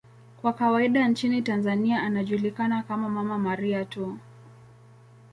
Kwa kawaida nchini Tanzania anajulikana kama 'Mama Maria' tu.